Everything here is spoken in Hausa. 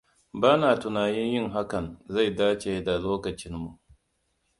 Ba na tunanin yin hakan zai dace da lokacinmu.